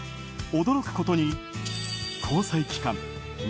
驚くことに交際期間